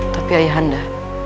tapi ayah anda